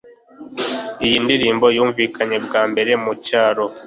Iyi ndirimbo yumvikanye bwa mbere mu cyaro